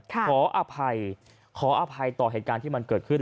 ขออภัยขออภัยต่อเหตุการณ์ที่มันเกิดขึ้น